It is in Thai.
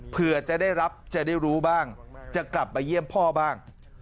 เพื่อจะได้รับจะได้รู้บ้างจะกลับมาเยี่ยมพ่อบ้าง